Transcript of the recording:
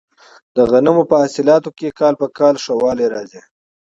د غنمو په حاصلاتو کې کال په کال ښه والی راځي.